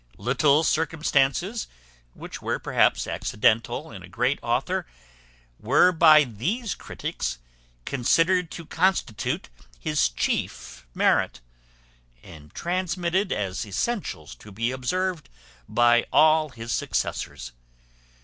Little circumstances, which were perhaps accidental in a great author, were by these critics considered to constitute his chief merit, and transmitted as essentials to be observed by all his successors.